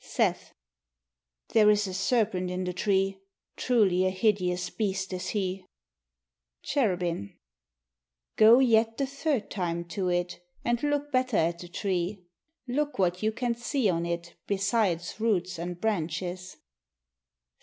Seth There is a serpent in the tree: Truly a hideous beast is he. Cherubin Go yet the third time to it, And look better at the tree. Look what you can see on it Besides roots and branches.